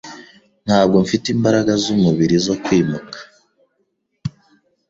Ntabwo mfite imbaraga zumubiri zo kwimuka.